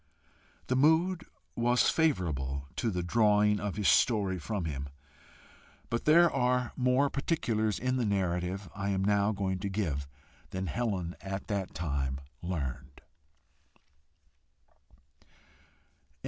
The mood was favourable to the drawing of his story from him, but there are more particulars in the narrative I am now going to give than Helen at that time learned.